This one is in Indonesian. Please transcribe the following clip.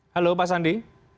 halo pak sandi